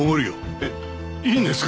えっいいんですか？